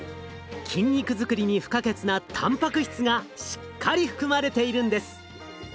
筋肉作りに不可欠なたんぱく質がしっかり含まれているんです。